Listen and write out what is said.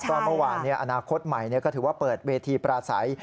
ก็เมื่อวานอนาคตใหม่ก็ถือว่าเปิดเวทีปราศัย